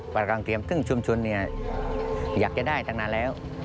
ปลากรังเตรียมซึ่งชุมชุนอยากจะได้ตั้งนานแล้ว